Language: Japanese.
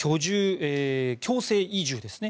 強制移住ですね